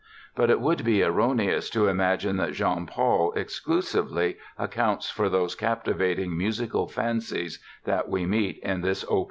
But it would be erroneous to imagine that Jean Paul exclusively, accounts for those captivating musical fancies that we meet in this Op.